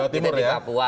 kita di papua